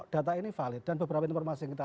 data ini valid dan beberapa informasi yang kita